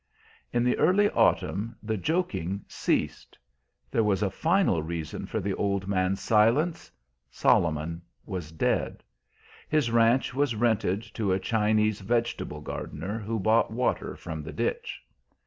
In the early autumn the joking ceased. There was a final reason for the old man's silence, Solomon was dead. His ranch was rented to a Chinese vegetable gardener who bought water from the ditch.